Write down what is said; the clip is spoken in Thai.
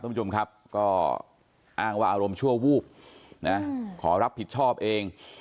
ผู้ชมครับก็อ้างว่าอารมณ์ชั่ววูบนะขอรับผิดชอบเอง